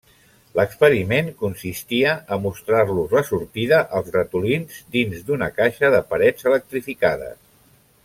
L'experiment consistia a mostrar-los la sortida als ratolins, dins d'una caixa de parets electrificades.